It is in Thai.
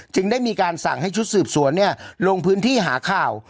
ได้มีการสั่งให้ชุดสืบสวนลงพื้นที่หาข่าว